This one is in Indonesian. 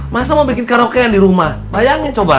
masa mau bikin karaoke di rumah bayangin coba